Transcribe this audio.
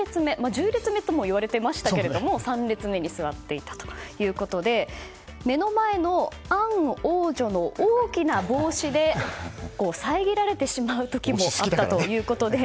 １０列目ともいわれていましたが３列目に座っていたということで目の前のアン王女の大きな帽子で遮られてしまう時もあったということで。